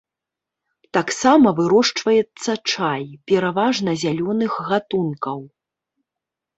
Таксама вырошчваецца чай, пераважна зялёных гатункаў.